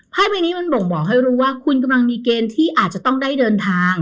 ใบนี้มันบ่งบอกให้รู้ว่าคุณกำลังมีเกณฑ์ที่อาจจะต้องได้เดินทาง